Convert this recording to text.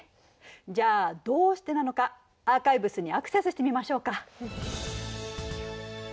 じゃあどうしてなのかアーカイブスにアクセスしてみましょうか。